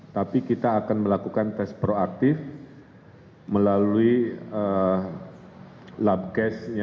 tapi kita akan melakukan tes proaktif melalui lab case nya